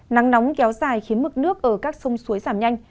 nắng nóng kéo dài khiến mực nước ở các sông suối giảm nhanh